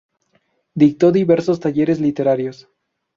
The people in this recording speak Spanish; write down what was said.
Dictó diversos talleres literarios.